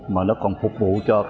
mà nó còn phục vụ cho